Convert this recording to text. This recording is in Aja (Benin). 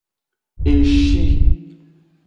E shi.